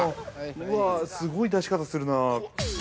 うわぁ、すごい出し方するなぁ。